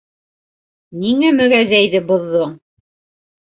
— Ниңә мөгәзәйҙе боҙҙоң?